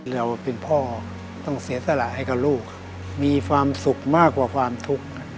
เราเป็นพ่อต้องเสียสละให้กับลูกมีความสุขมากกว่าความทุกข์